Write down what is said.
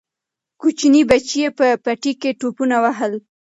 کوچني بچي یې په پټي کې ټوپونه وهل.